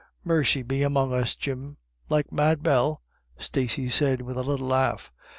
"Mercy be among us, Jim — like Mad Bell?" Stacey said, with a little laugh.